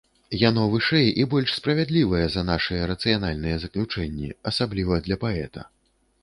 Яно вышэй і больш справядлівае за нашыя рацыянальныя заключэнні, асабліва для паэта.